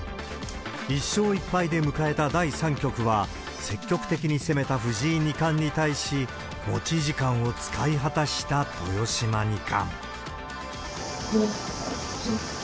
１勝１敗で迎えた第３局は、積極的に攻めた藤井二冠に対し、持ち時間を使い果たした豊島二冠。